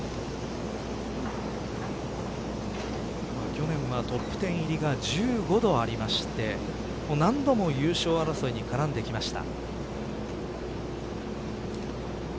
去年はトップ１０入りが１５度ありまして何度も優勝争いに絡んできました。